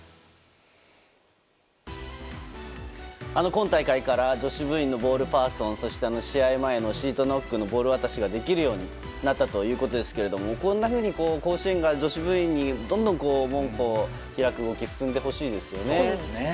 今大会から女子部員のボールパーソンそして試合前のシートノックのボール渡しができるようになったということですけれどもこんな風に甲子園が女子部員にどんどん門戸を開く動きが進んでほしいですね。